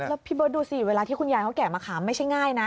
แล้วพี่เบิร์ตดูสิเวลาที่คุณยายเขาแกะมะขามไม่ใช่ง่ายนะ